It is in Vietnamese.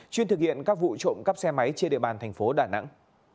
chuyên thực hiện các vụ trộm cắp xe máy trên địa bàn thành phố đà nẵng